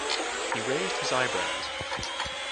He raised his eyebrows.